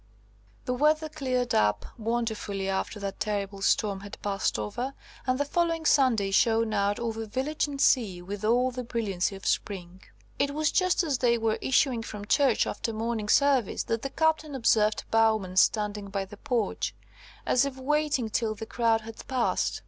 The weather cleared up wonderfully after that terrible storm had passed over, and the following Sunday shone out over village and sea, with all the brilliancy of spring. It was just as they were issuing from church after morning service, that the Captain observed Bowman standing by the porch, as if waiting till the crowd had passed.